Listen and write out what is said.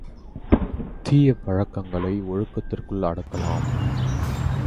தீய பழக்கங்களை ஒழுக்கத்திற்குள் அடக்கலாம்.